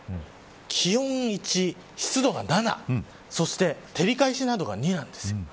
気温を１、湿度が７そして照り返しなどが、２です。